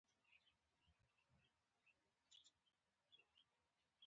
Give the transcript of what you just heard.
سیلانی ځایونه د افغانستان د اوږدمهاله پایښت لپاره مهم رول لري.